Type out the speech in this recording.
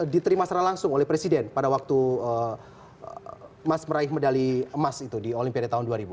diterima secara langsung oleh presiden pada waktu mas meraih medali emas itu di olimpiade tahun dua ribu